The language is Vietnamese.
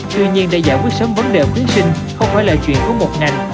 tuy nhiên để giải quyết sớm vấn đề thí sinh không phải là chuyện của một ngành